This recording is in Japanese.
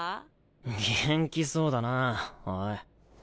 元気そうだなおい。